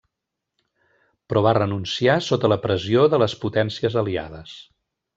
Però va renunciar sota la pressió de les Potències Aliades.